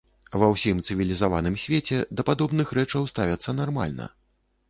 Ва ўсім цывілізаваным свеце да падобных рэчаў ставяцца нармальна.